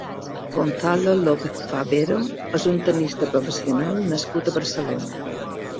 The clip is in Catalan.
Gonzalo Lopez-Fabero és un tennista professional nascut a Barcelona.